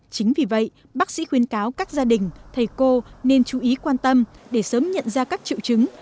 chính vì vậy bác sĩ khuyên cáo các gia đình thầy cô nên chú ý quan tâm để sớm nhận ra các triệu chứng